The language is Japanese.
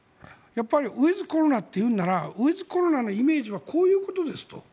やっぱりウィズコロナと言うならウィズコロナのイメージはこういうことですと。